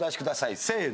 せの。